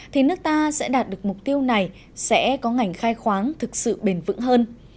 thì nước ta sẽ đạt được mục tiêu này sẽ có ngành khai khoáng thực sự bền vững hơn